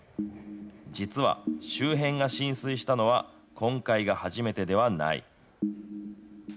実は、周辺が浸水したのは、今回が初めてではない。